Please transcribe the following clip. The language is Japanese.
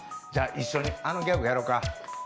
じゃ一緒にあのギャグやろか。